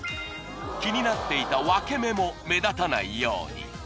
気になっていた分け目も目立たないように！